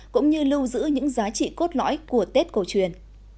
cũng như lưu giữ những giá trị cốt lõi của tết cổ truyền